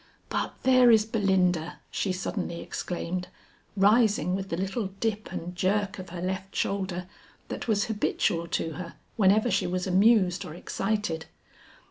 But there is Belinda," she suddenly exclaimed, rising with the little dip and jerk of her left shoulder that was habitual to her whenever she was amused or excited.